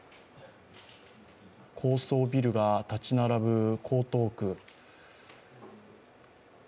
高層ビルが建ち並ぶ江東区。